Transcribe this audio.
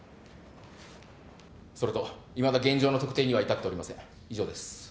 ・それといまだ現場の特定には至っておりません以上です。